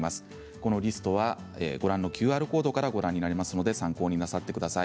このリストはご覧のＱＲコードからご覧になれますので参考になさってください。